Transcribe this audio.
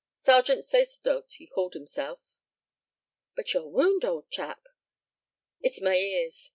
Sergeant Sacerdote he called himself." "But your wound, old chap?" "It's my ears.